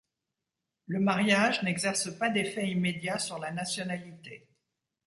Le mariage n'exerce pas d'effet immédiat sur la nationalité.